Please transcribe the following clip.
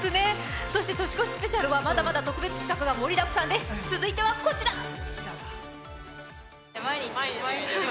そして「年越しスペシャル」はまだまだ特別企画が盛りだくさんです続いては、こちら！